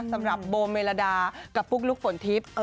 สำหรับโบเมลดากับปุ๊กลุ๊กฝนทิพย์